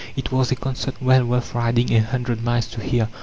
It was a concert well worth riding a hundred miles to hear."